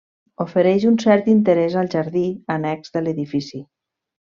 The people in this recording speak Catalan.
Ofereix un cert interès el jardí annex de l'edifici.